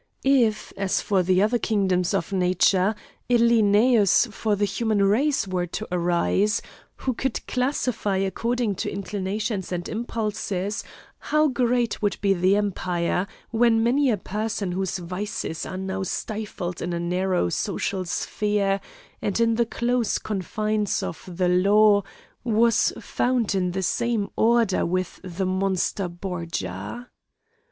If, as for the other kingdoms of nature, a Linnæus for the human race were to arise, who could classify according to inclinations and impulses, how great would be the empire, when many a person whose vices are now stifled in a narrow social sphere, and in the close confines of the law, was found in the same order with the monster Borgia.